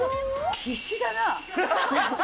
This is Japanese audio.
必死だな。